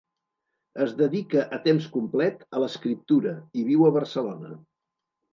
Es dedica a temps complet a l'escriptura i viu a Barcelona.